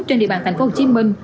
trên địa bàn thành phố hồ chí minh